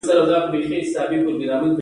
باید له اشخاصو سره د بالذات غایې چلند وشي.